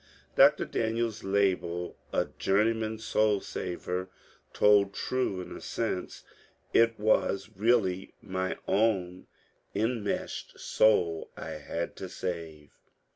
Dr. Daniel's label, '* a journeyman soul saver," told true in a sense : it was really my own enmeshed soul I had to save.